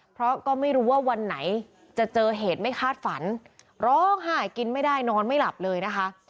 เพราะก็ไม่รู้ว่าวันไหนจะเจอเหตุไม่คาดฝันร้องไห้กินไม่ได้นอนไม่หลับเลยนะคะ